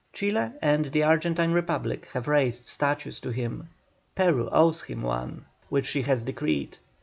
Chile and the Argentine Republic have raised statues to him. Peru owes him one, which she has decreed.